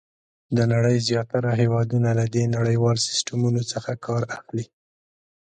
د نړۍ زیاتره هېوادونه له دې نړیوال سیسټمونو څخه کار اخلي.